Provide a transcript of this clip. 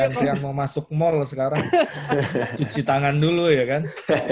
kayak yang mau masuk mall sekarang cuci tangan dulu ya kan